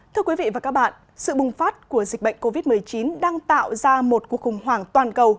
thưa quý vị và các bạn sự bùng phát của dịch bệnh covid một mươi chín đang tạo ra một cuộc khủng hoảng toàn cầu